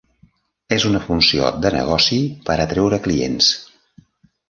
És una funció de negoci per atreure clients.